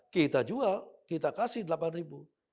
kita jual kita kasih rp delapan